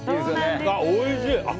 おいしい！